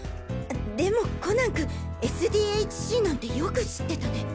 でもコナン君「ＳＤＨＣ」なんてよく知ってたね。